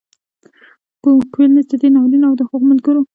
کولینز د دې ناورین او د هغو ملګرو